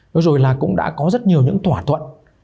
vừa rồi là cũng đã có rất nhiều những thỏa thuận